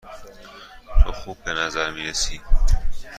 تو خوب به نظر می رسی.